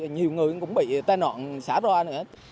nhiều người cũng bị tai nọn xả roa nữa